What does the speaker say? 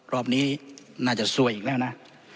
รอบนี้น่าจะซวยอีกแล้วนะ